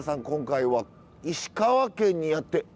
今回は石川県にやって。